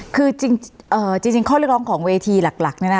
คือจริงข้อเรียกร้องของเวทีหลัก